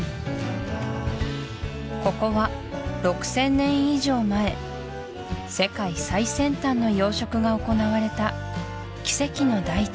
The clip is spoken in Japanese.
ここは６０００年以上前世界最先端の養殖が行われた奇跡の大地